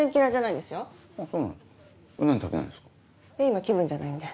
今気分じゃないんで。